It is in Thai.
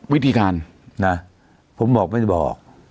วิธีการนะผมบอกไม่ได้บอก